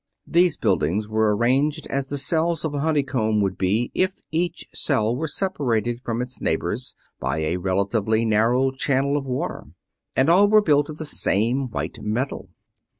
These buildings were arranged as the cells of a honeycomb would be if each cell were separated from its neighbors by a relatively narrow channel of water, and all were built of the same white metal.